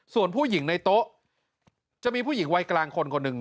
ส่วนผู้หญิงในโต๊ะจะมีผู้หญิงวัยกลางคนคนหนึ่ง